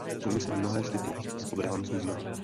Komise mnohé z těchto obránců zná.